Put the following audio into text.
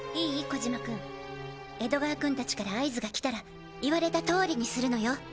小嶋君江戸川君達から合図が来たら言われた通りにするのよ。